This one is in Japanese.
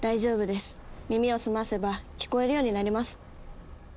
耳を澄ませば聞こえるようになります。